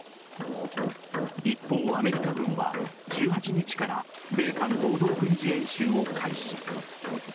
一方、アメリカ軍は１８日から米韓合同軍事演習を開始。